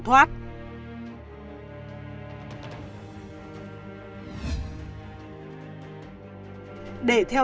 để theo dõi và sàng lọc được toàn bộ các điểm nghi vọng các cán bộ hình sự đã sàng lọc kiểm soát các camera an ninh dọc tuyến đường mà đối tượng có thể tẩu thoát